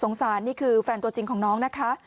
สารนี่คือแฟนตัวจริงของน้องนะคะ